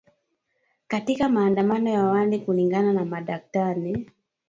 katika maandamano ya awali kulingana na madaktari